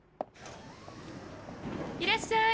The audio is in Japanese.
いらっしゃい。